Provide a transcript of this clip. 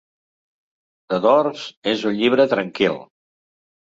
"The Doors" és un llibre tranquil.